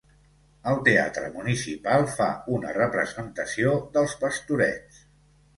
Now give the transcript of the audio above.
El Teatre Municipal fa una representació dels Pastorets.